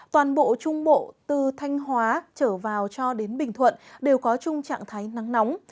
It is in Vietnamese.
toàn bộ trung bộ từ thanh hóa trở vào cho đến bình thuận đều có chung trạng thái nắng nóng